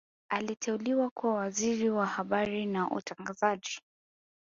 aliteuliwa kuwa Waziri wa habari na utangazaji